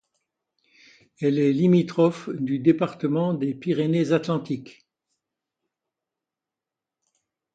Elle est limitrophe du département des Pyrénées-Atlantiques.